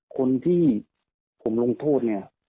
คนที่ผมลงโทษเนี่ย